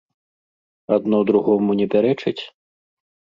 Адно другому не пярэчыць?